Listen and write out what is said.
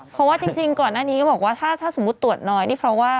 เพราะว่าจริงก่อนหน้านี้ก็บอกว่าถ้าสมมุติตรวจน้อยนี่เพราะว่า